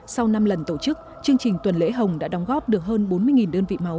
sau năm lần tổ chức chương trình tuần lễ hồng đã đóng góp được hơn bốn mươi đơn vị máu